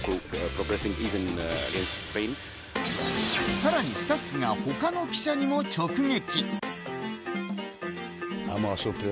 さらにスタッフが他の記者にも直撃。